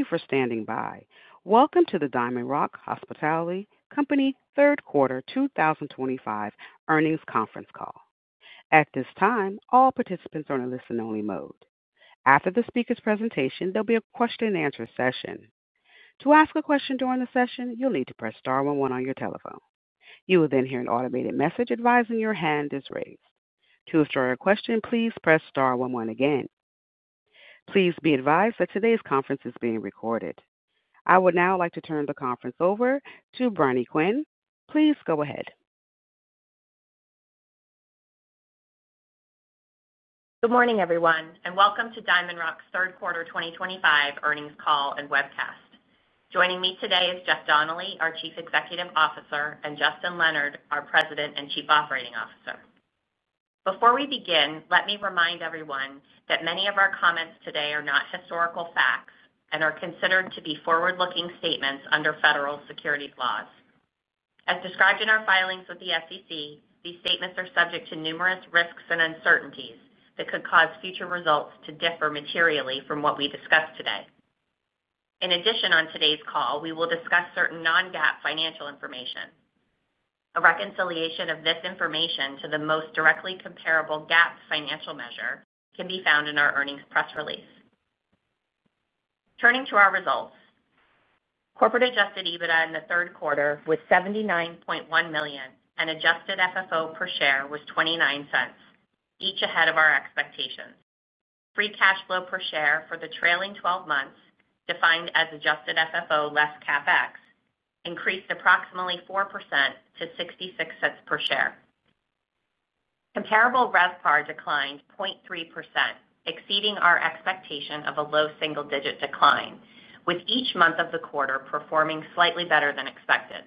Thank you for standing by. Welcome to the DiamondRock Hospitality Company Third Quarter 2025 earnings conference call. At this time, all participants are in a listen-only mode. After the speaker's presentation, there'll be a question-and-answer session. To ask a question during the session, you'll need to press star one one on your telephone. You will then hear an automated message advising your hand is raised. To start a question, please press star one one again. Please be advised that today's conference is being recorded. I would now like to turn the conference over to Briony Quinn. Please go ahead. Good morning, everyone, and Welcome to DiamondRock's Third Quarter 2025 earnings call and webcast. Joining me today is Jeff Donnelly, our Chief Executive Officer, and Justin Leonard, our President and Chief Operating Officer. Before we begin, let me remind everyone that many of our comments today are not historical facts and are considered to be forward-looking statements under federal securities laws. As described in our filings with the SEC, these statements are subject to numerous risks and uncertainties that could cause future results to differ materially from what we discuss today. In addition, on today's call, we will discuss certain non-GAAP financial information. A reconciliation of this information to the most directly comparable GAAP financial measure can be found in our earnings press release. Turning to our results, corporate adjusted EBITDA in the third quarter was $79.1 million, and adjusted FFO per share was $0.29, each ahead of our expectations. Free cash flow per share for the trailing 12 months, defined as adjusted FFO less CapEx, increased approximately 4% to $0.66 per share. Comparable RevPAR declined 0.3%, exceeding our expectation of a low single-digit decline, with each month of the quarter performing slightly better than expected.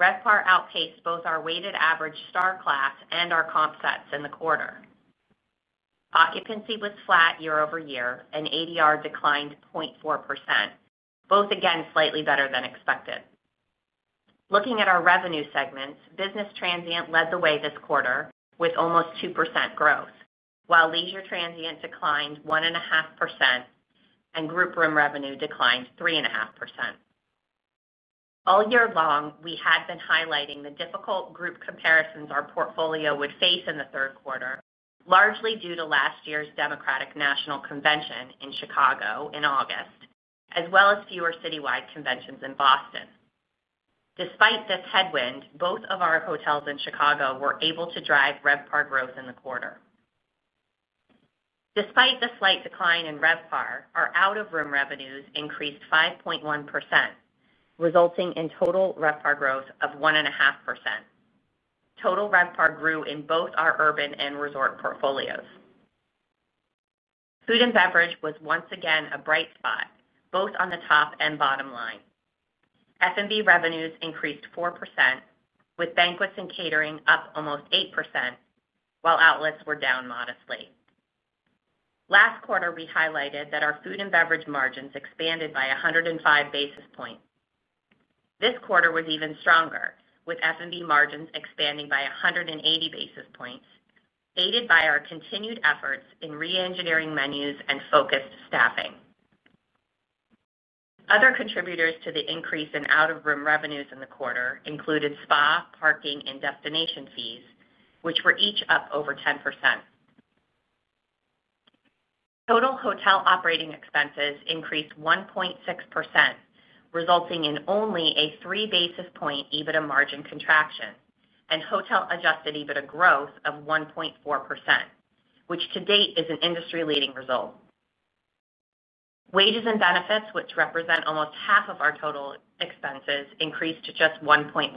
RevPAR outpaced both our weighted average star class and our comp sets in the quarter. Occupancy was flat year-over-year, and ADR declined 0.4%, both again slightly better than expected. Looking at our revenue segments, business transient led the way this quarter with almost 2% growth, while leisure transient declined 1.5% and group room revenue declined 3.5%. All year long, we had been highlighting the difficult group comparisons our portfolio would face in the third quarter, largely due to last year's Democratic National Convention in Chicago in August, as well as fewer citywide conventions in Boston. Despite this headwind, both of our hotels in Chicago were able to drive RevPAR growth in the quarter. Despite the slight decline in RevPAR, our out-of-room revenues increased 5.1%, resulting in total RevPAR growth of 1.5%. Total RevPAR grew in both our urban and resort portfolios. Food and beverage was once again a bright spot, both on the top and bottom line. F&B revenues increased 4%, with banquets and catering up almost 8%, while outlets were down modestly. Last quarter, we highlighted that our food and beverage margins expanded by 105 basis points. This quarter was even stronger, with F&B margins expanding by 180 basis points, aided by our continued efforts in re-engineering menus and focused staffing. Other contributors to the increase in out-of-room revenues in the quarter included spa, parking, and destination fees, which were each up over 10%. Total hotel operating expenses increased 1.6%, resulting in only a 3 basis point EBITDA margin contraction and hotel-adjusted EBITDA growth of 1.4%, which to date is an industry-leading result. Wages and benefits, which represent almost half of our total expenses, increased to just 1.1%.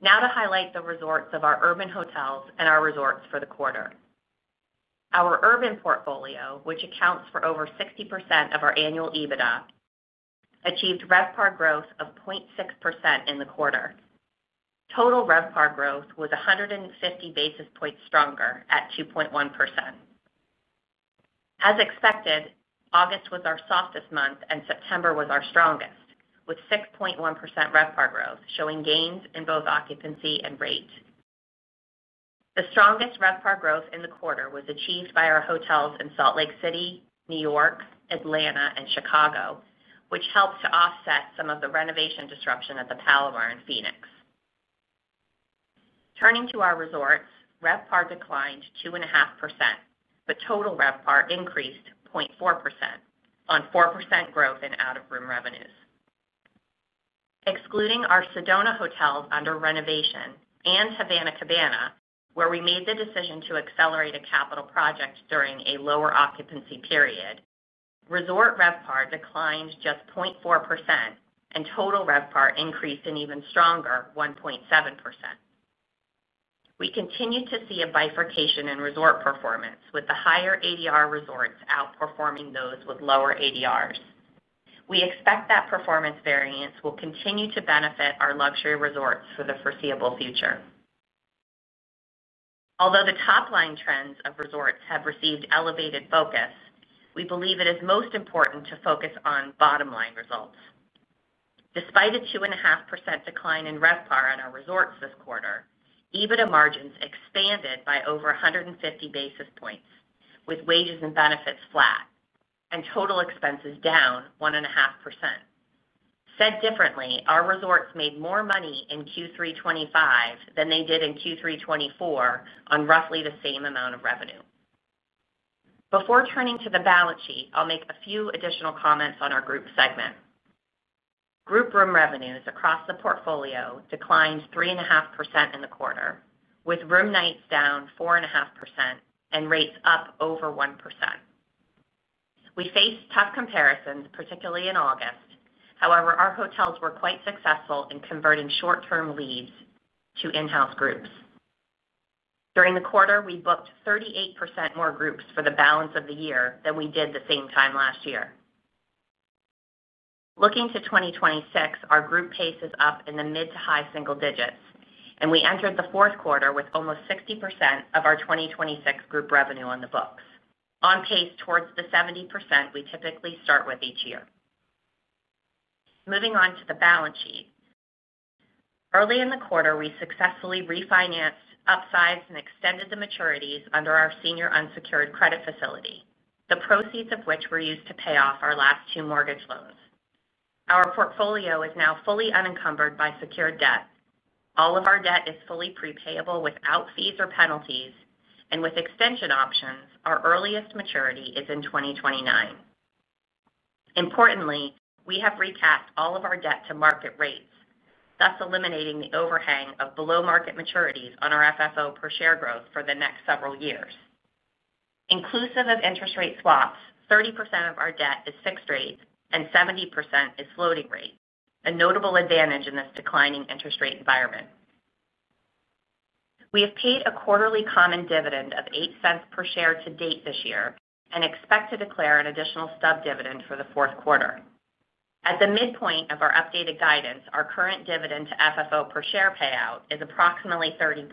Now to highlight the results of our urban hotels and our resorts for the quarter. Our urban portfolio, which accounts for over 60% of our annual EBITDA, achieved RevPAR growth of 0.6% in the quarter. Total RevPAR growth was 150 basis points stronger at 2.1%. As expected, August was our softest month, and September was our strongest, with 6.1% RevPAR growth, showing gains in both occupancy and rate. The strongest RevPAR growth in the quarter was achieved by our hotels in Salt Lake City, New York, Atlanta, and Chicago, which helped to offset some of the renovation disruption at the Palomar in Phoenix. Turning to our resorts, RevPAR declined 2.5%, but total RevPAR increased 0.4% on 4% growth in out-of-room revenues. Excluding our Sedona hotels under renovation and Havana Cabana, where we made the decision to accelerate a capital project during a lower occupancy period, resort RevPAR declined just 0.4%, and total RevPAR increased an even stronger 1.7%. We continue to see a bifurcation in resort performance, with the higher ADR resorts outperforming those with lower ADRs. We expect that performance variance will continue to benefit our luxury resorts for the foreseeable future. Although the top-line trends of resorts have received elevated focus, we believe it is most important to focus on bottom-line results. Despite a 2.5% decline in RevPAR at our resorts this quarter, EBITDA margins expanded by over 150 basis points, with wages and benefits flat and total expenses down 1.5%. Said differently, our resorts made more money in Q3 2025 than they did in Q3 2024 on roughly the same amount of revenue. Before turning to the balance sheet, I'll make a few additional comments on our group segment. Group room revenues across the portfolio declined 3.5% in the quarter, with room nights down 4.5% and rates up over 1%. We faced tough comparisons, particularly in August. However, our hotels were quite successful in converting short-term leads to in-house groups. During the quarter, we booked 38% more groups for the balance of the year than we did the same time last year. Looking to 2026, our group pace is up in the mid to high single digits, and we entered the fourth quarter with almost 60% of our 2026 group revenue on the books, on pace towards the 70% we typically start with each year. Moving on to the balance sheet, early in the quarter, we successfully refinanced, upsized, and extended the maturities under our senior unsecured credit facility, the proceeds of which were used to pay off our last two mortgage loans. Our portfolio is now fully unencumbered by secured debt. All of our debt is fully prepayable without fees or penalties, and with extension options, our earliest maturity is in 2029. Importantly, we have recapped all of our debt to market rates, thus eliminating the overhang of below-market maturities on our FFO per share growth for the next several years. Inclusive of interest rate swaps, 30% of our debt is fixed rate, and 70% is floating rate, a notable advantage in this declining interest rate environment. We have paid a quarterly common dividend of $0.08 per share to date this year and expect to declare an additional stub dividend for the fourth quarter. At the midpoint of our updated guidance, our current dividend to FFO per share payout is approximately 30%,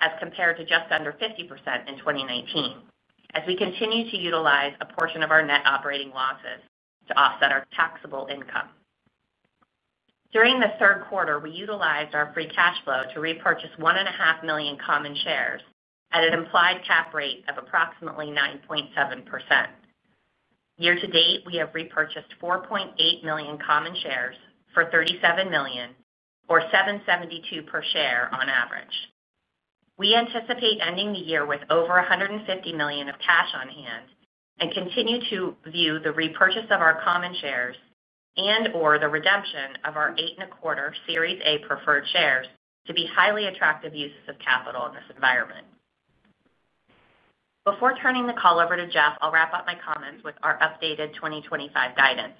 as compared to just under 50% in 2019, as we continue to utilize a portion of our net operating losses to offset our taxable income. During the third quarter, we utilized our free cash flow to repurchase 1.5 million common shares at an implied cap rate of approximately 9.7%. Year to date, we have repurchased 4.8 million common shares for $37 million, or $7.72 per share on average. We anticipate ending the year with over $150 million of cash on hand and continue to view the repurchase of our common shares and/or the redemption of our eight-and-a-quarter Series A preferred shares to be highly attractive uses of capital in this environment. Before turning the call over to Jeff, I'll wrap up my comments with our updated 2025 guidance.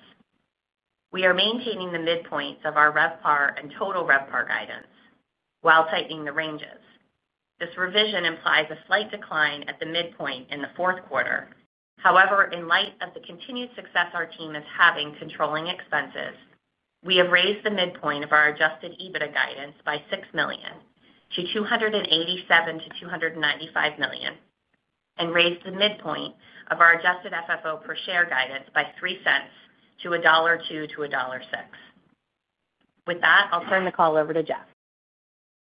We are maintaining the midpoints of our RevPAR and total RevPAR guidance while tightening the ranges. This revision implies a slight decline at the midpoint in the fourth quarter. However, in light of the continued success our team is having controlling expenses, we have raised the midpoint of our adjusted EBITDA guidance by $6 million to $287 million-$295 million and raised the midpoint of our adjusted FFO per share guidance by $0.03 to $1.02-$1.06. With that, I'll turn the call over to Jeff.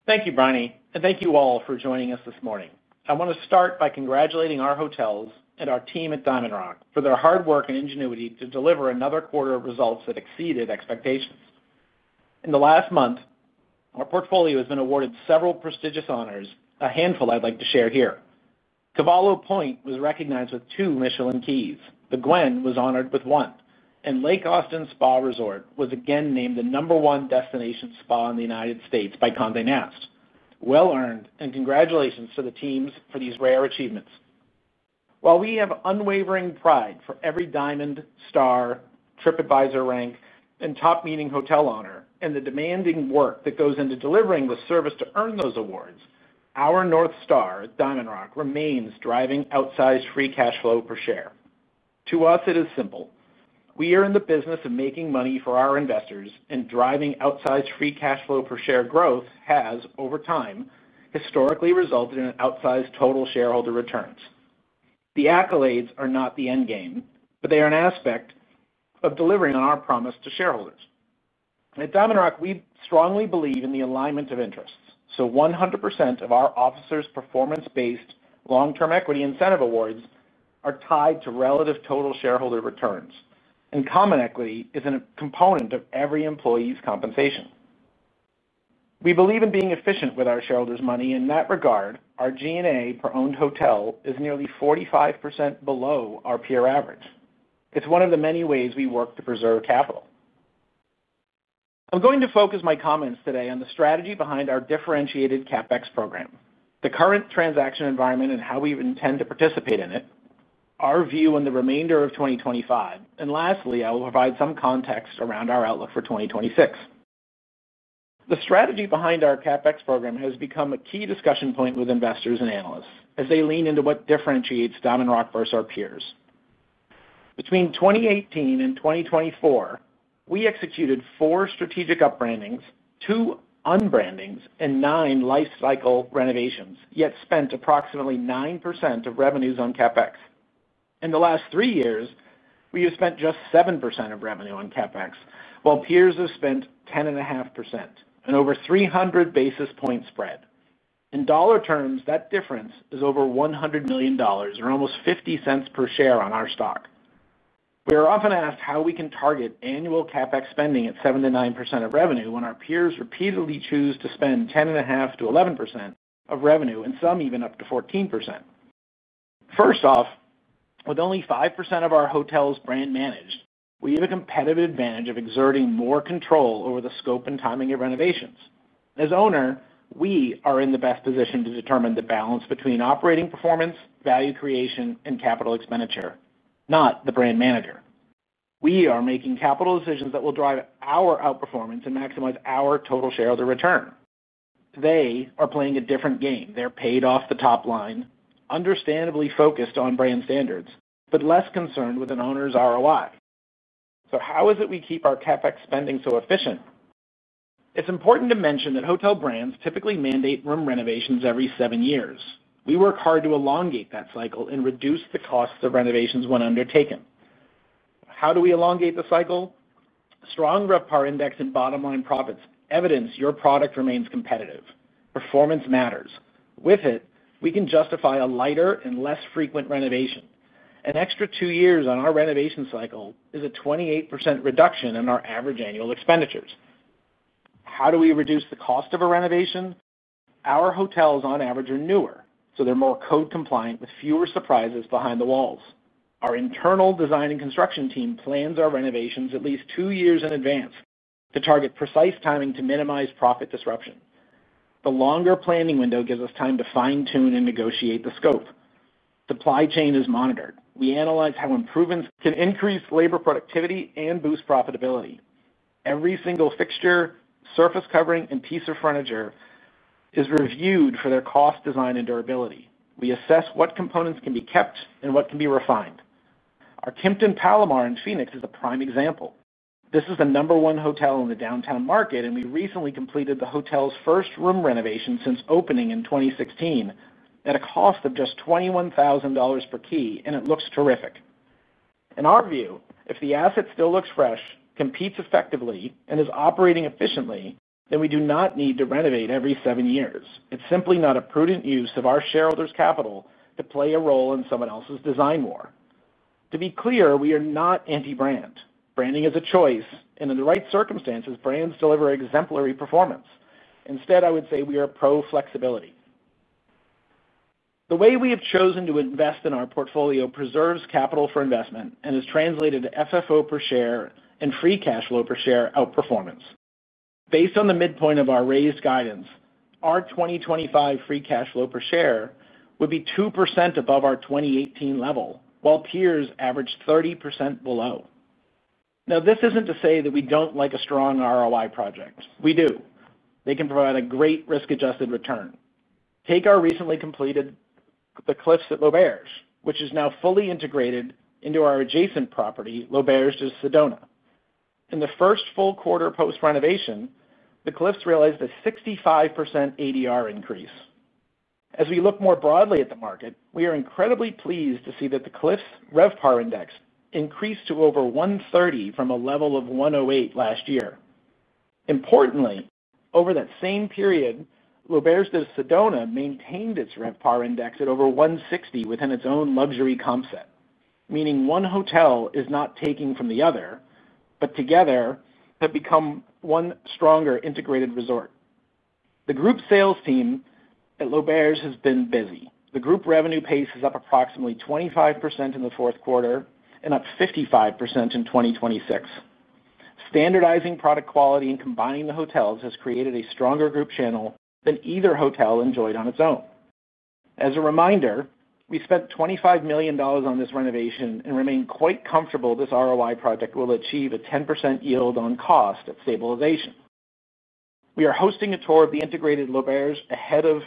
Thank you, Briony, and thank you all for joining us this morning. I want to start by congratulating our hotels and our team at DiamondRock for their hard work and ingenuity to deliver another quarter of results that exceeded expectations. In the last month, our portfolio has been awarded several prestigious honors, a handful I'd like to share here. Cavallo Point was recognized with two MICHELIN Keys, The Gwen was honored with one, and Lake Austin Spa Resort was again named the number one destination spa in the United States by Condé Nast. Well earned, and congratulations to the teams for these rare achievements. While we have unwavering pride for every Diamond, Star, Tripadvisor rank, and top meeting hotel honor, and the demanding work that goes into delivering the service to earn those awards, our North Star at DiamondRock remains driving outsized free cash flow per share. To us, it is simple. We are in the business of making money for our investors, and driving outsized free cash flow per share growth has, over time, historically resulted in outsized total shareholder returns. The accolades are not the end game, but they are an aspect of delivering on our promise to shareholders. At DiamondRock, we strongly believe in the alignment of interests, so 100% of our officers' performance-based long-term equity incentive awards are tied to relative total shareholder returns, and common equity is a component of every employee's compensation. We believe in being efficient with our shareholders' money. In that regard, our G&A per owned hotel is nearly 45% below our peer average. It's one of the many ways we work to preserve capital. I'm going to focus my comments today on the strategy behind our differentiated CapEx program, the current transaction environment, and how we intend to participate in it, our view on the remainder of 2025, and lastly, I will provide some context around our outlook for 2026. The strategy behind our CapEx program has become a key discussion point with investors and analysts as they lean into what differentiates DiamondRock versus our peers. Between 2018 and 2024, we executed four strategic upbrandings, two unbrandings, and nine lifecycle renovations, yet spent approximately 9% of revenues on CapEx. In the last three years, we have spent just 7% of revenue on CapEx, while peers have spent 10.5%, an over 300 basis point spread. In dollar terms, that difference is over $100 million or almost $0.50 per share on our stock. We are often asked how we can target annual CapEx spending at 7%-9% of revenue when our peers repeatedly choose to spend 10.5%-11% of revenue, and some even up to 14%. First off, with only 5% of our hotels brand managed, we have a competitive advantage of exerting more control over the scope and timing of renovations. As owner, we are in the best position to determine the balance between operating performance, value creation, and capital expenditure, not the brand manager. We are making capital decisions that will drive our outperformance and maximize our total share of the return. They are playing a different game. They're paid off the top line, understandably focused on brand standards, but less concerned with an owner's ROI. So how is it we keep our CapEx spending so efficient? It's important to mention that hotel brands typically mandate room renovations every seven years. We work hard to elongate that cycle and reduce the costs of renovations when undertaken. How do we elongate the cycle? Strong RevPAR index and bottom-line profits evidence your product remains competitive. Performance matters. With it, we can justify a lighter and less frequent renovation. An extra two years on our renovation cycle is a 28% reduction in our average annual expenditures. How do we reduce the cost of a renovation? Our hotels, on average, are newer, so they're more code-compliant with fewer surprises behind the walls. Our internal design and construction team plans our renovations at least two years in advance to target precise timing to minimize profit disruption. The longer planning window gives us time to fine-tune and negotiate the scope. Supply chain is monitored. We analyze how improvements can increase labor productivity and boost profitability. Every single fixture, surface covering, and piece of furniture is reviewed for their cost, design, and durability. We assess what components can be kept and what can be refined. Our Kimpton Palomar in Phoenix is a prime example. This is the number one hotel in the downtown market, and we recently completed the hotel's first room renovation since opening in 2016 at a cost of just $21,000 per key, and it looks terrific. In our view, if the asset still looks fresh, competes effectively, and is operating efficiently, then we do not need to renovate every seven years. It's simply not a prudent use of our shareholders' capital to play a role in someone else's design war. To be clear, we are not anti-brand. Branding is a choice, and in the right circumstances, brands deliver exemplary performance. Instead, I would say we are pro-flexibility. The way we have chosen to invest in our portfolio preserves capital for investment and is translated to FFO per share and free cash flow per share outperformance. Based on the midpoint of our raised guidance, our 2025 free cash flow per share would be 2% above our 2018 level, while peers average 30% below. Now, this isn't to say that we don't like a strong ROI project. We do. They can provide a great risk-adjusted return. Take our recently completed The Cliffs at L'Auberge, which is now fully integrated into our adjacent property, L'Auberge de Sedona. In the first full quarter post-renovation, The Cliffs realized a 65% ADR increase. As we look more broadly at the market, we are incredibly pleased to see that The Cliffs' RevPAR index increased to over 130 from a level of 108 last year. Importantly, over that same period, L'Auberge de Sedona maintained its RevPAR index at over 160 within its own luxury comp set, meaning one hotel is not taking from the other, but together have become one stronger integrated resort. The group sales team at L'Auberge has been busy. The group revenue pace is up approximately 25% in the fourth quarter and up 55% in 2026. Standardizing product quality and combining the hotels has created a stronger group channel than either hotel enjoyed on its own. As a reminder, we spent $25 million on this renovation and remain quite comfortable this ROI project will achieve a 10% yield on cost at stabilization. We are hosting a tour of the integrated L'Auberge ahead of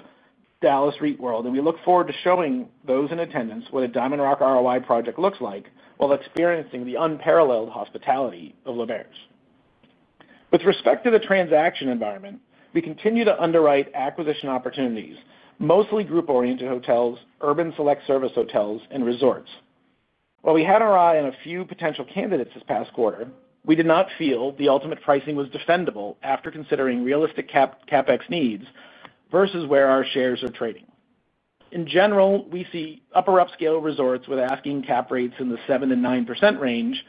Dallas REIT World, and we look forward to showing those in attendance what a DiamondRock ROI project looks like while experiencing the unparalleled hospitality of L'Auberge. With respect to the transaction environment, we continue to underwrite acquisition opportunities, mostly group-oriented hotels, urban select service hotels, and resorts. While we had our eye on a few potential candidates this past quarter, we did not feel the ultimate pricing was defendable after considering realistic CapEx needs versus where our shares are trading. In general, we see upper-upscale resorts with asking cap rates in the 7%-9% range,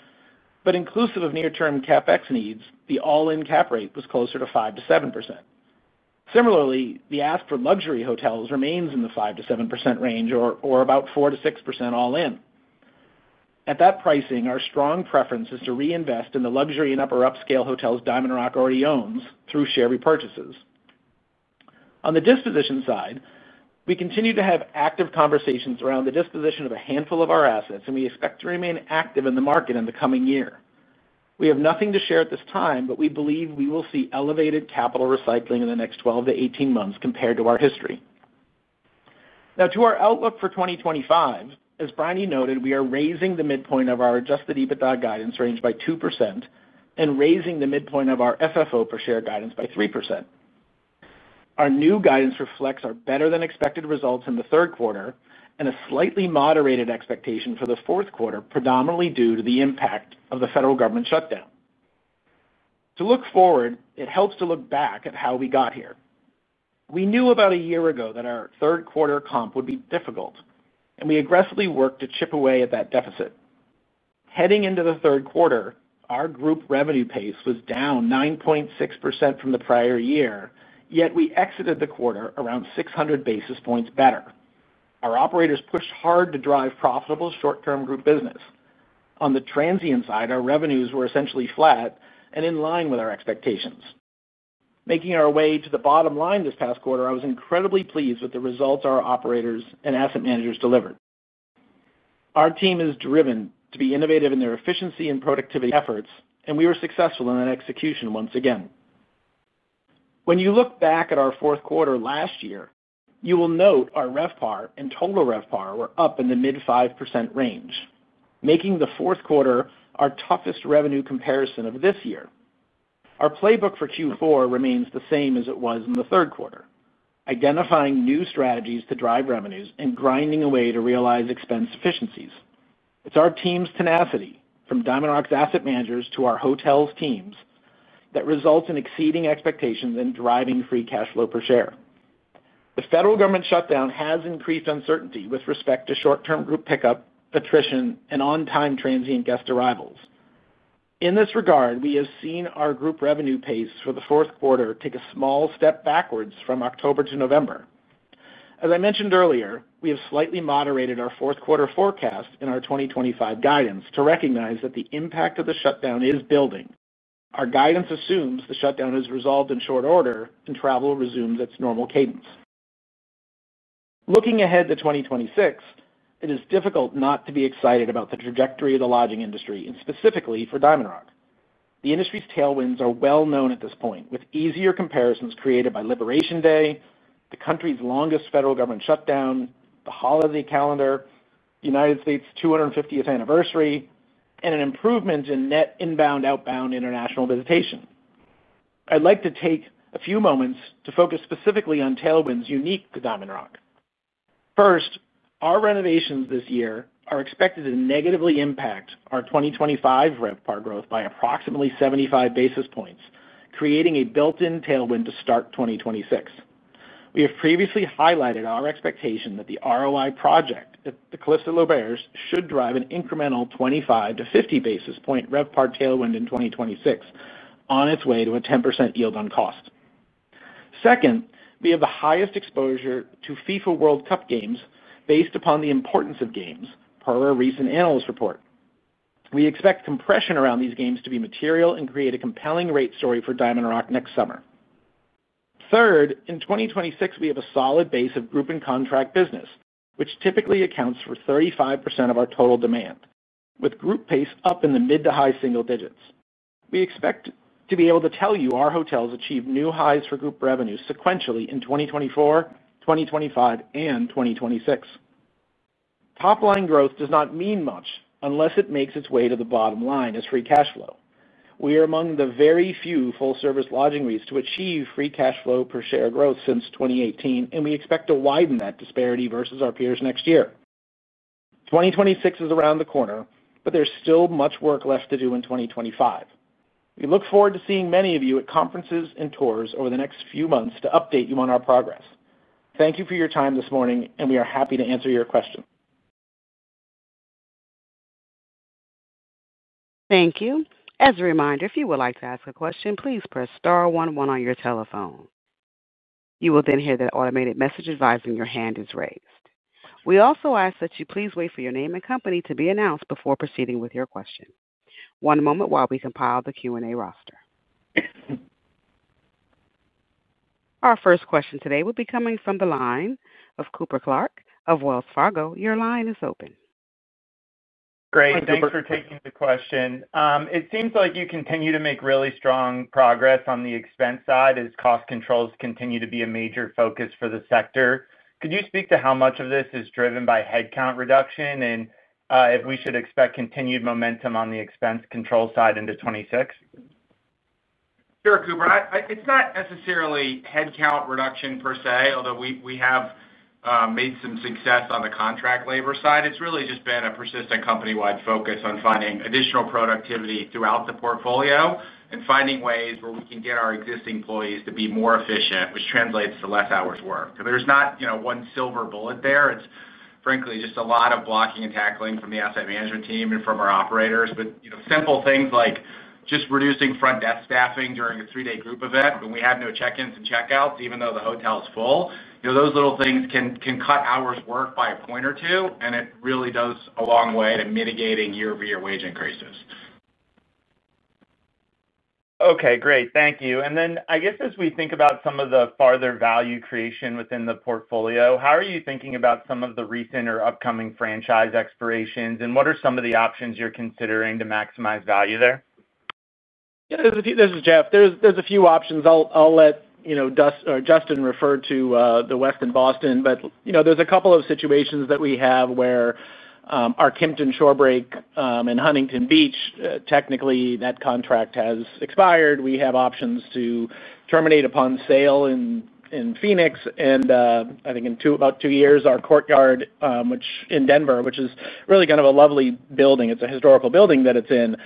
but inclusive of near-term CapEx needs, the all-in cap rate was closer to 5%-7%. Similarly, the ask for luxury hotels remains in the 5%-7% range or about 4%-6% all-in. At that pricing, our strong preference is to reinvest in the luxury and upper-upscale hotels DiamondRock already owns through share repurchases. On the disposition side, we continue to have active conversations around the disposition of a handful of our assets, and we expect to remain active in the market in the coming year. We have nothing to share at this time, but we believe we will see elevated capital recycling in the next 12-18 months compared to our history. Now, to our outlook for 2025, as Briony noted, we are raising the midpoint of our adjusted EBITDA guidance range by 2% and raising the midpoint of our FFO per share guidance by 3%. Our new guidance reflects our better-than-expected results in the third quarter and a slightly moderated expectation for the fourth quarter, predominantly due to the impact of the federal government shutdown. To look forward, it helps to look back at how we got here. We knew about a year ago that our third quarter comp would be difficult, and we aggressively worked to chip away at that deficit. Heading into the third quarter, our group revenue pace was down 9.6% from the prior year, yet we exited the quarter around 600 basis points better. Our operators pushed hard to drive profitable short-term group business. On the transient side, our revenues were essentially flat and in line with our expectations. Making our way to the bottom line this past quarter, I was incredibly pleased with the results our operators and asset managers delivered. Our team is driven to be innovative in their efficiency and productivity efforts, and we were successful in that execution once again. When you look back at our fourth quarter last year, you will note our RevPAR and total RevPAR were up in the mid-5% range, making the fourth quarter our toughest revenue comparison of this year. Our playbook for Q4 remains the same as it was in the third quarter, identifying new strategies to drive revenues and grinding away to realize expense efficiencies. It's our team's tenacity, from DiamondRock's asset managers to our hotels' teams, that results in exceeding expectations and driving free cash flow per share. The federal government shutdown has increased uncertainty with respect to short-term group pickup, attrition, and on-time transient guest arrivals. In this regard, we have seen our group revenue pace for the fourth quarter take a small step backwards from October to November. As I mentioned earlier, we have slightly moderated our fourth quarter forecast in our 2025 guidance to recognize that the impact of the shutdown is building. Our guidance assumes the shutdown is resolved in short order and travel resumes its normal cadence. Looking ahead to 2026, it is difficult not to be excited about the trajectory of the lodging industry, and specifically for DiamondRock. The industry's tailwinds are well known at this point, with easier comparisons created by Liberation Day, the country's longest federal government shutdown, the holiday calendar, the United States' 250th anniversary, and an improvement in net inbound/outbound international visitation. I'd like to take a few moments to focus specifically on tailwinds unique to DiamondRock. First, our renovations this year are expected to negatively impact our 2025 RevPAR growth by approximately 75 basis points, creating a built-in tailwind to start 2026. We have previously highlighted our expectation that the ROI project at The Cliffs at L'Auberge should drive an incremental 25-50 basis point RevPAR tailwind in 2026 on its way to a 10% yield on cost. Second, we have the highest exposure to FIFA World Cup games based upon the importance of games, per a recent analyst report. We expect compression around these games to be material and create a compelling rate story for DiamondRock next summer. Third, in 2026, we have a solid base of group and contract business, which typically accounts for 35% of our total demand, with group pace up in the mid to high single digits. We expect to be able to tell you our hotels achieved new highs for group revenues sequentially in 2024, 2025, and 2026. Top-line growth does not mean much unless it makes its way to the bottom line as free cash flow. We are among the very few full-service lodging REITs to achieve free cash flow per share growth since 2018, and we expect to widen that disparity versus our peers next year. 2026 is around the corner, but there is still much work left to do in 2025. We look forward to seeing many of you at conferences and tours over the next few months to update you on our progress. Thank you for your time this morning, and we are happy to answer your questions. Thank you. As a reminder, if you would like to ask a question, please press star one one on your telephone. You will then hear that automated message advising your hand is raised. We also ask that you please wait for your name and company to be announced before proceeding with your question. One moment while we compile the Q&A roster. Our first question today will be coming from the line of Cooper Clark of Wells Fargo. Your line is open. Great. Thanks for taking the question. It seems like you continue to make really strong progress on the expense side as cost controls continue to be a major focus for the sector. Could you speak to how much of this is driven by headcount reduction and if we should expect continued momentum on the expense control side into 2026? Sure, Cooper. It's not necessarily headcount reduction per se, although we have made some success on the contract labor side. It's really just been a persistent company-wide focus on finding additional productivity throughout the portfolio and finding ways where we can get our existing employees to be more efficient, which translates to less hours worked. There's not one silver bullet there. It's, frankly, just a lot of blocking and tackling from the asset management team and from our operators. Simple things like just reducing front desk staffing during a three-day group event when we have no check-ins and check-outs, even though the hotel is full, those little things can cut hours worked by a point or two, and it really does a long way to mitigating year-over-year wage increases. Okay. Great. Thank you. As we think about some of the farther value creation within the portfolio, how are you thinking about some of the recent or upcoming franchise expirations, and what are some of the options you're considering to maximize value there? Yeah. This is Jeff. There's a few options. I'll let Justin refer to the Westin Boston, but there's a couple of situations that we have where our Kimpton Shorebreak in Huntington Beach, technically that contract has expired. We have options to terminate upon sale in Phoenix, and I think in about two years, our Courtyard, which in Denver, which is really kind of a lovely building, it's a historical building that it's in,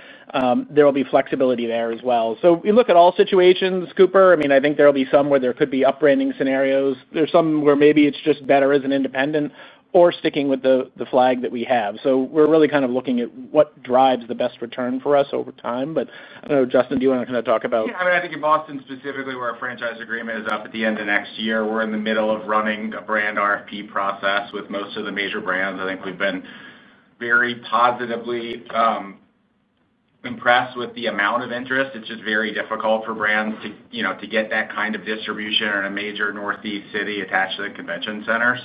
there will be flexibility there as well. We look at all situations, Cooper. I mean, I think there will be some where there could be upbranding scenarios. There's some where maybe it's just better as an independent or sticking with the flag that we have. We're really kind of looking at what drives the best return for us over time. I don't know, Justin, do you want to kind of talk about? Yeah. I mean, I think in Boston specifically where our franchise agreement is up at the end of next year, we're in the middle of running a brand RFP process with most of the major brands. I think we've been very positively impressed with the amount of interest. It's just very difficult for brands to get that kind of distribution in a major Northeast city attached to the convention center.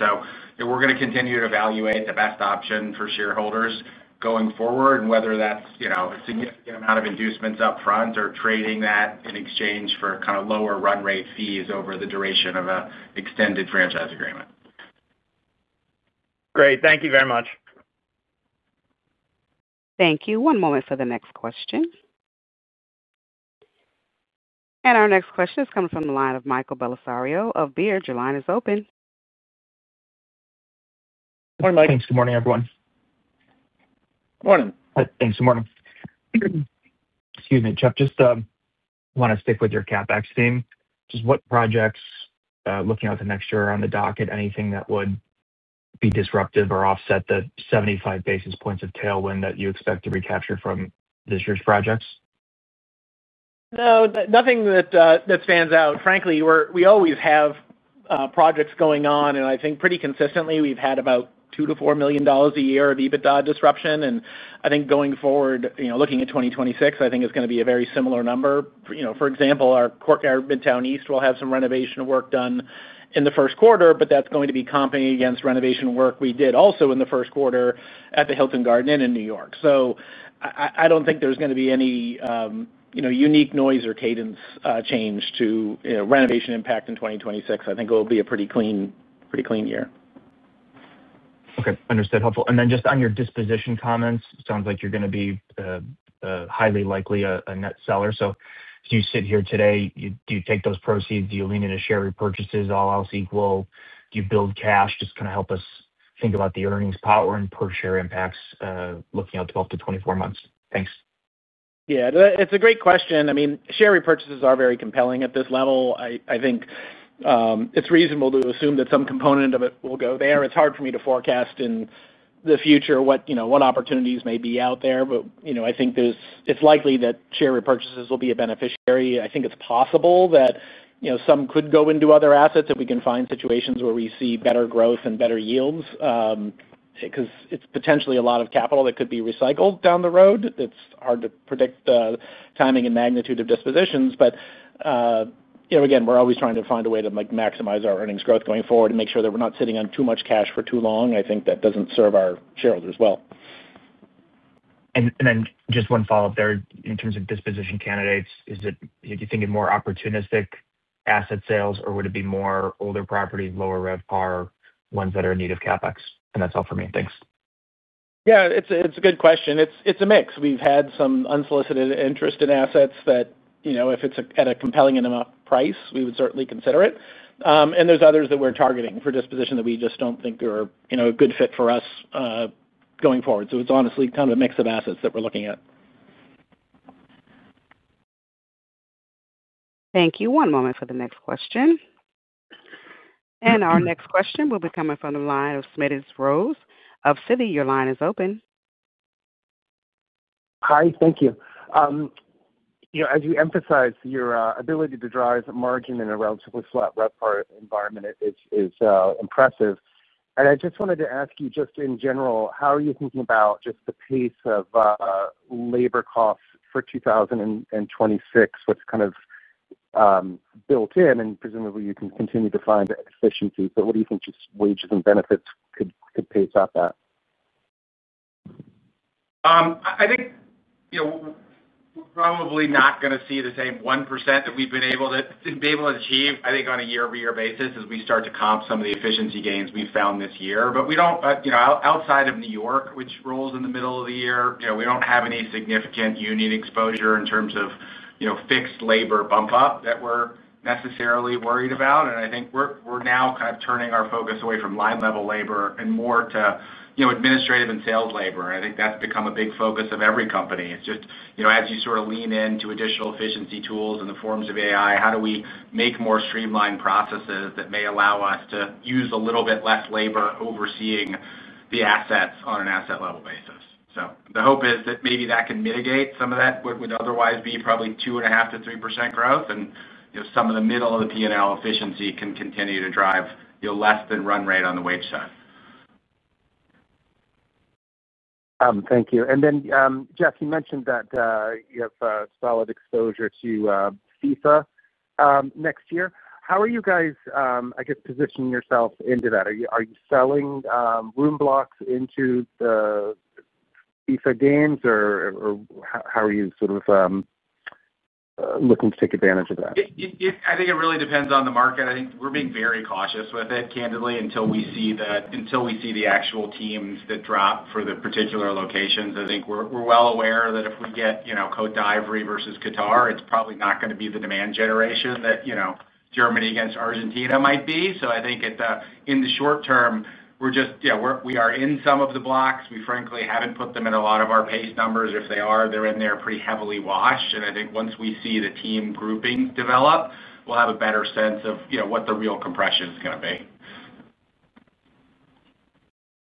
We are going to continue to evaluate the best option for shareholders going forward, and whether that's a significant amount of inducements upfront or trading that in exchange for kind of lower run rate fees over the duration of an extended franchise agreement. Great. Thank you very much. Thank you. One moment for the next question. Our next question is coming from the line of Michael Bellisario of Baird. Your line is open. Morning, Mike. Good morning, everyone. Morning. Thanks. Good morning. Excuse me, Jeff. Just want to stick with your CapEx theme. Just what projects looking out to next year are on the docket? Anything that would be disruptive or offset the 75 basis points of tailwind that you expect to recapture from this year's projects? No, nothing that stands out. Frankly, we always have projects going on, and I think pretty consistently we've had about $2 million-$4 million a year of EBITDA disruption. And I think going forward, looking at 2026, I think it's going to be a very similar number. For example, our Courtyard Midtown East will have some renovation work done in the first quarter, but that's going to be comping against renovation work we did also in the first quarter at the Hilton Garden Inn in New York. So I don't think there's going to be any unique noise or cadence change to renovation impact in 2026. I think it will be a pretty clean year. Okay. Understood. Helpful. And then just on your disposition comments, it sounds like you're going to be highly likely a net seller. If you sit here today, do you take those proceeds? Do you lean into share repurchases? All else equal, do you build cash? Just kind of help us think about the earnings power and per-share impacts looking out 12-24 months. Thanks. Yeah. It's a great question. I mean, share repurchases are very compelling at this level. I think it's reasonable to assume that some component of it will go there. It's hard for me to forecast in the future what opportunities may be out there, but I think it's likely that share repurchases will be a beneficiary. I think it's possible that some could go into other assets if we can find situations where we see better growth and better yields because it's potentially a lot of capital that could be recycled down the road. It's hard to predict the timing and magnitude of dispositions. Again, we're always trying to find a way to maximize our earnings growth going forward and make sure that we're not sitting on too much cash for too long. I think that doesn't serve our shareholders well. Just one follow-up there in terms of disposition candidates. Is it, do you think, a more opportunistic asset sales, or would it be more older property, lower RevPAR, ones that are in need of CapEx? That is all for me. Thanks. Yeah. It's a good question. It's a mix. We've had some unsolicited interest in assets that if it's at a compelling enough price, we would certainly consider it. There's others that we're targeting for disposition that we just don't think are a good fit for us going forward. It's honestly kind of a mix of assets that we're looking at. Thank you. One moment for the next question. Our next question will be coming from the line of Smedes Rose of Citi. Your line is open. Hi. Thank you. As you emphasized, your ability to drive margin in a relatively flat RevPAR environment is impressive. I just wanted to ask you, just in general, how are you thinking about just the pace of labor costs for 2026? What's kind of built in? Presumably, you can continue to find efficiencies, but what do you think just wages and benefits could pace out at? I think we're probably not going to see the same 1% that we've been able to achieve, I think, on a year-over-year basis as we start to comp some of the efficiency gains we've found this year. Outside of New York, which rolls in the middle of the year, we don't have any significant union exposure in terms of fixed labor bump-up that we're necessarily worried about. I think we're now kind of turning our focus away from line-level labor and more to administrative and sales labor. I think that's become a big focus of every company. It's just as you sort of lean into additional efficiency tools in the forms of AI, how do we make more streamlined processes that may allow us to use a little bit less labor overseeing the assets on an asset-level basis? The hope is that maybe that can mitigate some of that, what would otherwise be probably 2.5%-3% growth, and some of the middle of the P&L efficiency can continue to drive less than run rate on the wage side. Thank you. Jeff, you mentioned that you have solid exposure to FIFA next year. How are you guys, I guess, positioning yourselves into that? Are you selling room blocks into the FIFA games, or how are you sort of looking to take advantage of that? I think it really depends on the market. I think we're being very cautious with it, candidly, until we see the actual teams that drop for the particular locations. I think we're well aware that if we get Côte d'Ivoire versus Qatar, it's probably not going to be the demand generation that Germany against Argentina might be. I think in the short term, we are in some of the blocks. We, frankly, haven't put them in a lot of our pace numbers. If they are, they're in there pretty heavily washed. I think once we see the team groupings develop, we'll have a better sense of what the real compression is going to be.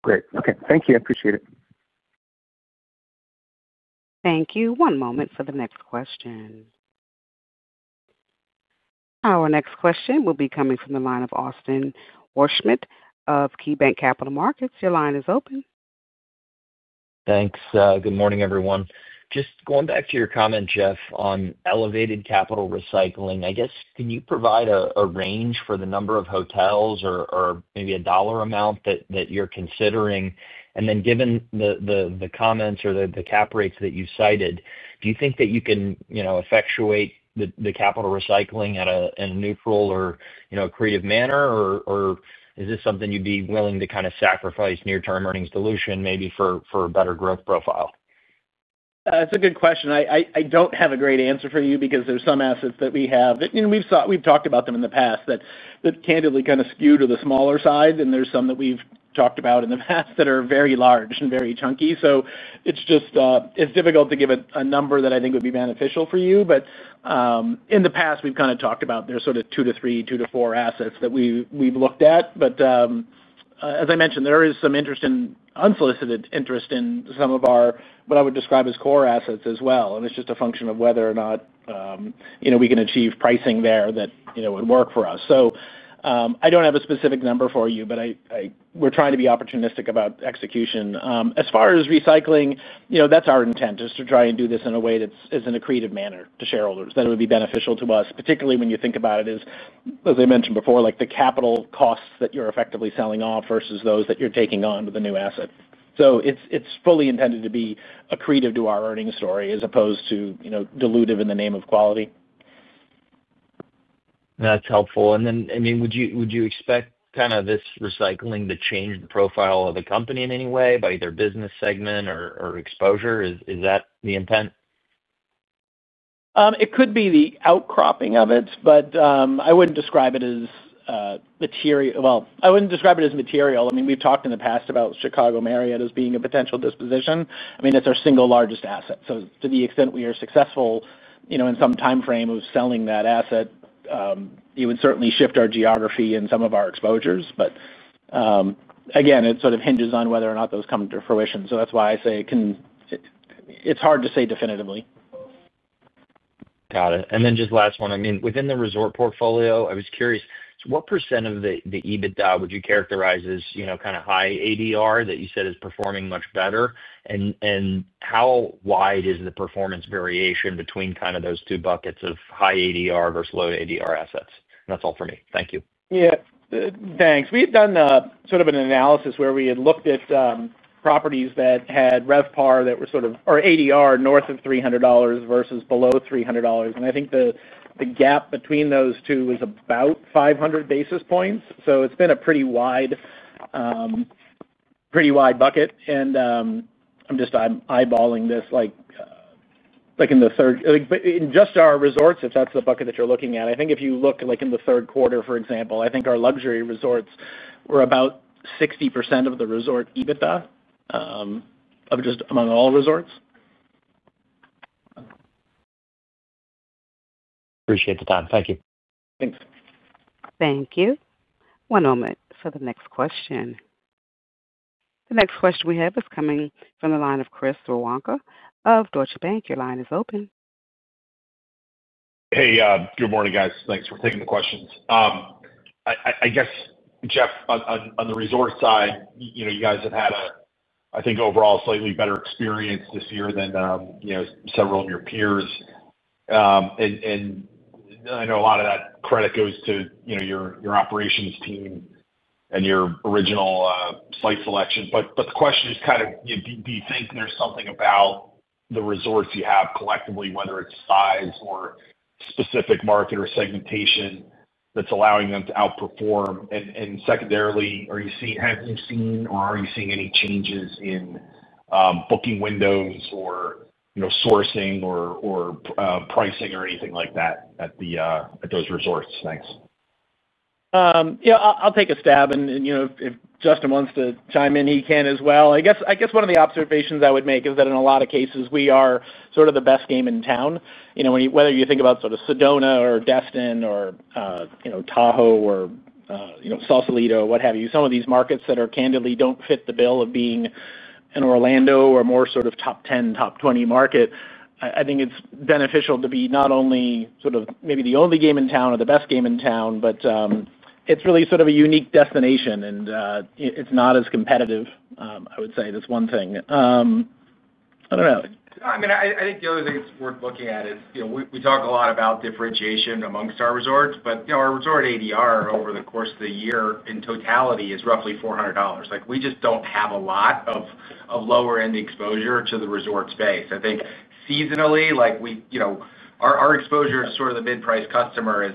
Great. Okay. Thank you. I appreciate it. Thank you. One moment for the next question. Our next question will be coming from the line of Austin Wurschmidt of KeyBanc Capital Markets. Your line is open. Thanks. Good morning, everyone. Just going back to your comment, Jeff, on elevated capital recycling, I guess, can you provide a range for the number of hotels or maybe a dollar amount that you're considering? Given the comments or the cap rates that you cited, do you think that you can effectuate the capital recycling in a neutral or accretive manner, or is this something you'd be willing to kind of sacrifice near-term earnings dilution maybe for a better growth profile? That's a good question. I don't have a great answer for you because there's some assets that we have, and we've talked about them in the past that candidly kind of skew to the smaller side, and there's some that we've talked about in the past that are very large and very chunky. It's difficult to give a number that I think would be beneficial for you. In the past, we've kind of talked about there's sort of two to three, two to four assets that we've looked at. As I mentioned, there is some unsolicited interest in some of our, what I would describe as, core assets as well. It's just a function of whether or not we can achieve pricing there that would work for us. I don't have a specific number for you, but we're trying to be opportunistic about execution. As far as recycling, that's our intent, is to try and do this in a way that's in a creative manner to shareholders that would be beneficial to us, particularly when you think about it as, as I mentioned before, the capital costs that you're effectively selling off versus those that you're taking on with a new asset. It is fully intended to be accretive to our earnings story as opposed to dilutive in the name of quality. That's helpful. I mean, would you expect kind of this recycling to change the profile of the company in any way by either business segment or exposure? Is that the intent? It could be the outcropping of it, but I would not describe it as material, I would not describe it as material. I mean, we have talked in the past about Chicago Marriott as being a potential disposition. I mean, it is our single largest asset. To the extent we are successful in some timeframe of selling that asset, it would certainly shift our geography and some of our exposures. Again, it sort of hinges on whether or not those come to fruition. That is why I say it is hard to say definitively. Got it. And then just last one. I mean, within the resort portfolio, I was curious, what percent of the EBITDA would you characterize as kind of high ADR that you said is performing much better? And how wide is the performance variation between kind of those two buckets of high ADR versus low ADR assets? And that's all for me. Thank you. Yeah. Thanks. We've done sort of an analysis where we had looked at properties that had RevPAR that were sort of or ADR north of $300 versus below $300. I think the gap between those two was about 500 basis points. It's been a pretty wide bucket. I'm just eyeballing this in the third in just our resorts, if that's the bucket that you're looking at. I think if you look in the third quarter, for example, I think our luxury resorts were about 60% of the resort EBITDA just among all resorts. Appreciate the time. Thank you. Thanks. Thank you. One moment for the next question. The next question we have is coming from the line of Chris Woronka of Deutsche Bank. Your line is open. Hey. Good morning, guys. Thanks for taking the questions. I guess, Jeff, on the resort side, you guys have had, I think, overall, a slightly better experience this year than several of your peers. I know a lot of that credit goes to your operations team and your original site selection. The question is kind of, do you think there's something about the resorts you have collectively, whether it's size or specific market or segmentation, that's allowing them to outperform? Secondarily, have you seen or are you seeing any changes in booking windows or sourcing or pricing or anything like that at those resorts? Thanks. Yeah. I'll take a stab. If Justin wants to chime in, he can as well. I guess one of the observations I would make is that in a lot of cases, we are sort of the best game in town. Whether you think about sort of Sedona or Destin or Tahoe or Sausalito, what have you, some of these markets that candidly do not fit the bill of being an Orlando or more sort of top 10, top 20 market, I think it's beneficial to be not only sort of maybe the only game in town or the best game in town, but it's really sort of a unique destination, and it's not as competitive, I would say. That's one thing. I don't know. I mean, I think the other thing it's worth looking at is we talk a lot about differentiation amongst our resorts, but our resort ADR over the course of the year in totality is roughly $400. We just don't have a lot of lower-end exposure to the resort space. I think seasonally, our exposure to sort of the mid-price customer is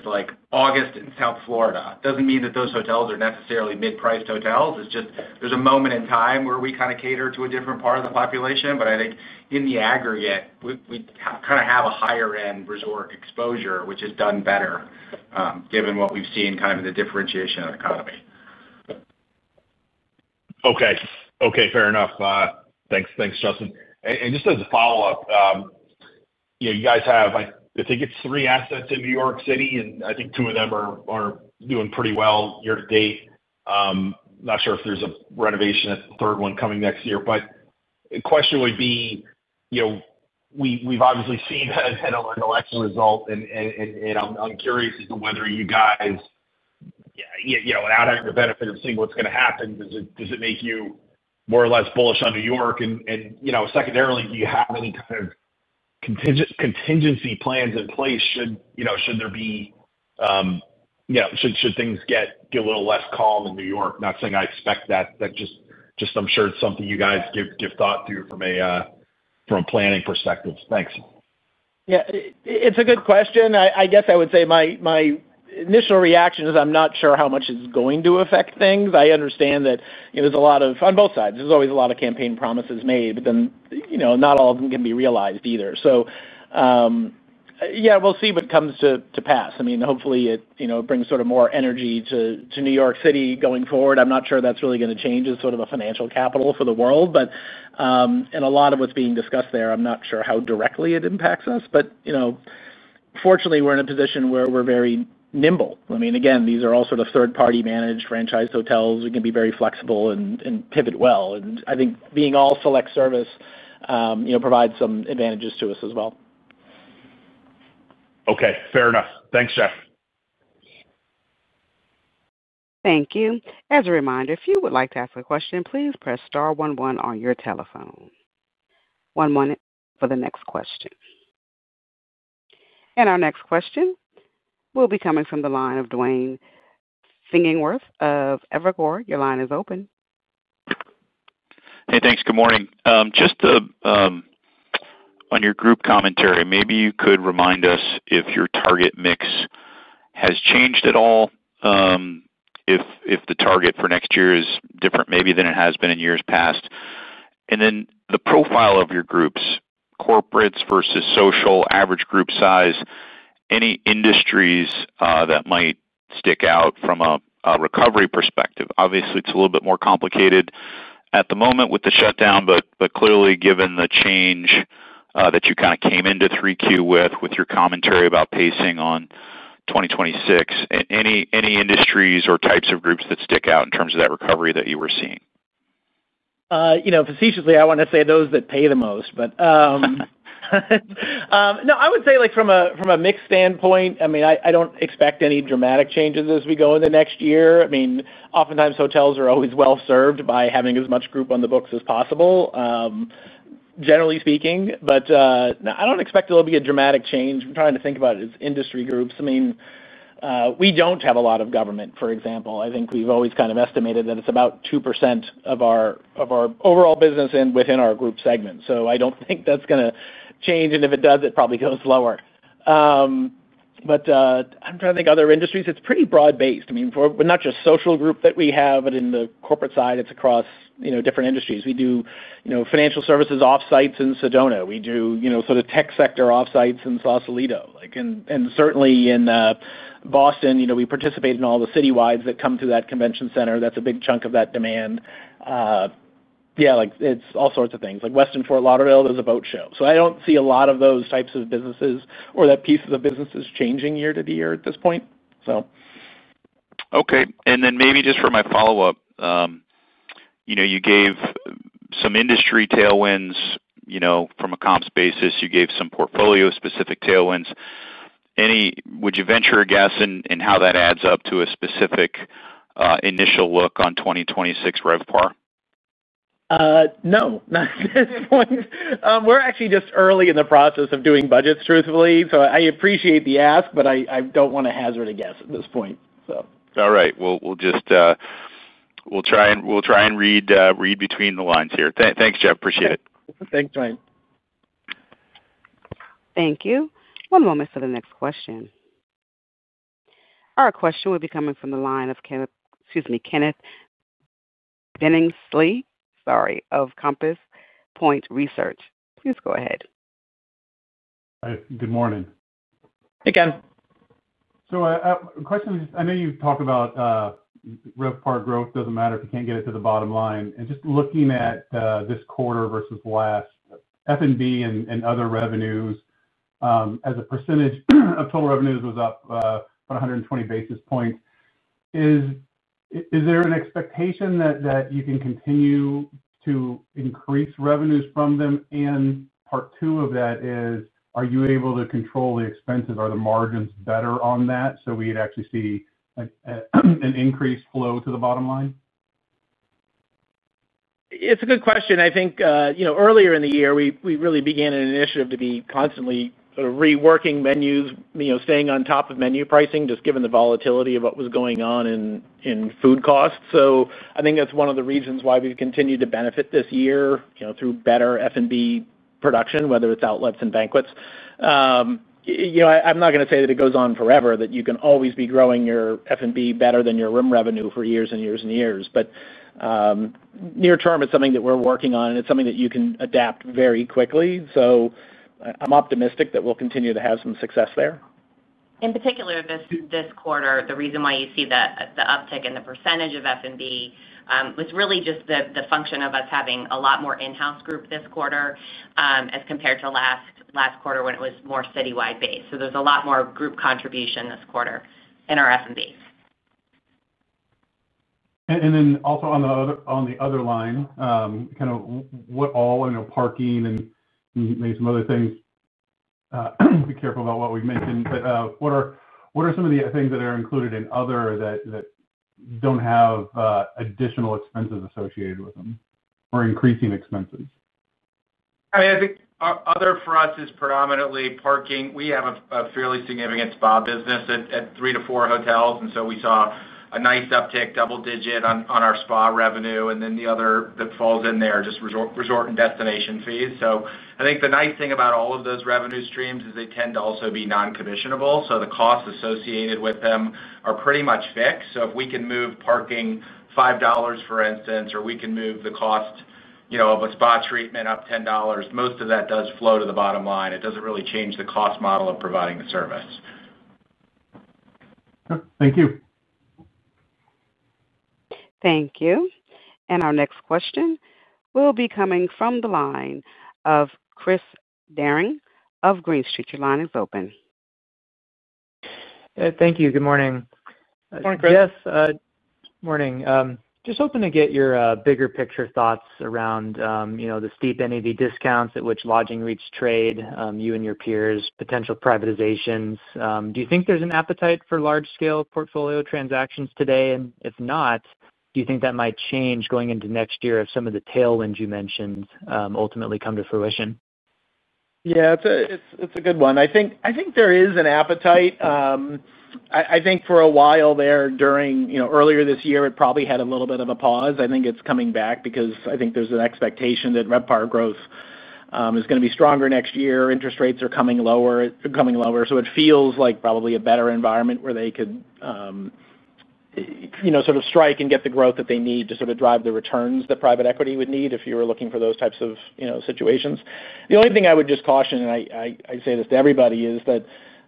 August in South Florida. It doesn't mean that those hotels are necessarily mid-priced hotels. It's just there's a moment in time where we kind of cater to a different part of the population. I think in the aggregate, we kind of have a higher-end resort exposure, which has done better given what we've seen kind of in the differentiation of the economy. Okay. Fair enough. Thanks, Justin. And just as a follow-up, you guys have, I think, three assets in New York City, and I think two of them are doing pretty well year to date. I'm not sure if there's a renovation at the third one coming next year. But the question would be, we've obviously seen an election result, and I'm curious as to whether you guys, without having the benefit of seeing what's going to happen, does it make you more or less bullish on New York? And secondarily, do you have any kind of contingency plans in place should there be, should things get a little less calm in New York? Not saying I expect that. Just I'm sure it's something you guys give thought to from a planning perspective. Thanks. Yeah. It's a good question. I guess I would say my initial reaction is I'm not sure how much it's going to affect things. I understand that there's a lot of, on both sides, there's always a lot of campaign promises made, but then not all of them can be realized either. Yeah, we'll see what comes to pass. I mean, hopefully, it brings sort of more energy to New York City going forward. I'm not sure that's really going to change as sort of a financial capital for the world. A lot of what's being discussed there, I'm not sure how directly it impacts us. Fortunately, we're in a position where we're very nimble. I mean, again, these are all sort of third-party managed franchise hotels. We can be very flexible and pivot well. I think being all select service provides some advantages to us as well. Okay. Fair enough. Thanks, Jeff. Thank you. As a reminder, if you would like to ask a question, please press star 11 on your telephone. One moment for the next question. Our next question will be coming from the line of Duane Pfennigwerth of Evercore. Your line is open. Hey, thanks. Good morning. Just on your group commentary, maybe you could remind us if your target mix has changed at all, if the target for next year is different maybe than it has been in years past. Then the profile of your groups, corporates versus social, average group size, any industries that might stick out from a recovery perspective. Obviously, it's a little bit more complicated at the moment with the shutdown, but clearly, given the change that you kind of came into 3Q with with your commentary about pacing on 2026, any industries or types of groups that stick out in terms of that recovery that you were seeing? Facetiously, I want to say those that pay the most. No, I would say from a mix standpoint, I mean, I do not expect any dramatic changes as we go into next year. I mean, oftentimes, hotels are always well served by having as much group on the books as possible, generally speaking. I do not expect there will be a dramatic change. I am trying to think about it as industry groups. I mean, we do not have a lot of government, for example. I think we have always kind of estimated that it is about 2% of our overall business and within our group segment. I do not think that is going to change. If it does, it probably goes lower. I am trying to think other industries. It is pretty broad-based. I mean, not just social group that we have, but on the corporate side, it is across different industries. We do financial services off-sites in Sedona. We do sort of tech sector off-sites in Sausalito. Certainly in Boston, we participate in all the citywides that come to that convention center. That is a big chunk of that demand. Yeah, it is all sorts of things. Like Westin Fort Lauderdale, there is a boat show. I do not see a lot of those types of businesses or that piece of the business changing year to year at this point. Okay. And then maybe just for my follow-up, you gave some industry tailwinds from a comps basis. You gave some portfolio-specific tailwinds. Would you venture a guess in how that adds up to a specific initial look on 2026 RevPAR? No. Not at this point. We're actually just early in the process of doing budgets, truthfully. I appreciate the ask, but I don't want to hazard a guess at this point. All right. We'll try and read between the lines here. Thanks, Jeff. Appreciate it. Thanks, Dwayne. Thank you. One moment for the next question. Our question will be coming from the line of Kenneth Billingsley, sorry, of Compass Point Research. Please go ahead. Good morning. Hey, Ken. The question is, I know you talk about RevPAR growth does not matter if you cannot get it to the bottom line. Just looking at this quarter versus last, F&B and other revenues as a percentage of total revenues was up about 120 basis points. Is there an expectation that you can continue to increase revenues from them? Part two of that is, are you able to control the expenses? Are the margins better on that? You would actually see an increased flow to the bottom line? It's a good question. I think earlier in the year, we really began an initiative to be constantly reworking menus, staying on top of menu pricing, just given the volatility of what was going on in food costs. I think that's one of the reasons why we've continued to benefit this year through better F&B production, whether it's outlets and banquets. I'm not going to say that it goes on forever, that you can always be growing your F&B better than your room revenue for years and years and years. Near-term, it's something that we're working on, and it's something that you can adapt very quickly. I'm optimistic that we'll continue to have some success there. In particular, this quarter, the reason why you see the uptick in the percentage of F&B was really just the function of us having a lot more in-house group this quarter as compared to last quarter when it was more citywide based. There is a lot more group contribution this quarter in our F&B. And then also on the other line, kind of what all parking and maybe some other things—be careful about what we mentioned—but what are some of the things that are included in other that do not have additional expenses associated with them or increasing expenses? I mean, I think other for us is predominantly parking. We have a fairly significant spa business at three to four hotels. We saw a nice uptick, double-digit on our spa revenue. The other that falls in there are just resort and destination fees. I think the nice thing about all of those revenue streams is they tend to also be non-commissionable. The costs associated with them are pretty much fixed. If we can move parking $5, for instance, or we can move the cost of a spa treatment up $10, most of that does flow to the bottom line. It does not really change the cost model of providing the service. Thank you. Thank you. Our next question will be coming from the line of Chris Darling of Green Street. Your line is open. Thank you. Good morning. Good morning, Chris. Yes. Good morning. Just hoping to get your bigger picture thoughts around the steep NAV discounts at which lodging REITs trade, you and your peers, potential privatizations. Do you think there's an appetite for large-scale portfolio transactions today? If not, do you think that might change going into next year if some of the tailwinds you mentioned ultimately come to fruition? Yeah. It's a good one. I think there is an appetite. I think for a while there during earlier this year, it probably had a little bit of a pause. I think it's coming back because I think there's an expectation that RevPAR growth is going to be stronger next year. Interest rates are coming lower. It feels like probably a better environment where they could sort of strike and get the growth that they need to sort of drive the returns that private equity would need if you were looking for those types of situations. The only thing I would just caution, and I say this to everybody, is that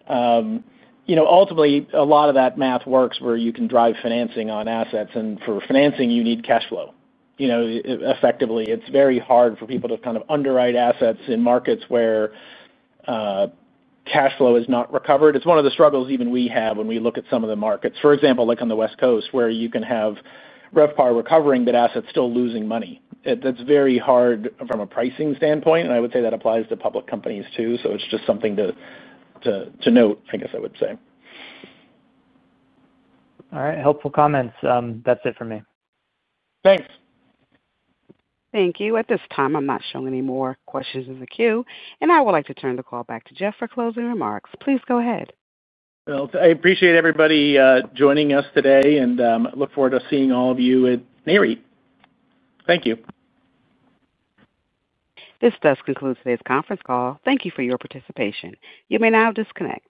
ultimately, a lot of that math works where you can drive financing on assets. For financing, you need cash flow effectively. It's very hard for people to kind of underwrite assets in markets where cash flow is not recovered. It's one of the struggles even we have when we look at some of the markets. For example, like on the West Coast, where you can have RevPAR recovering, but assets still losing money. That's very hard from a pricing standpoint. I would say that applies to public companies too. It's just something to note, I guess I would say. All right. Helpful comments. That's it for me. Thanks. Thank you. At this time, I'm not showing any more questions in the queue. I would like to turn the call back to Jeff for closing remarks. Please go ahead. I appreciate everybody joining us today, and look forward to seeing all of you at NAREIT. Thank you. This does conclude today's conference call. Thank you for your participation. You may now disconnect.